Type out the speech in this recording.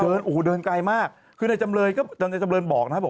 โอ้โหเขาเดินไกลมากคือในจำเรยก็ในจำเรยบอกนะครับ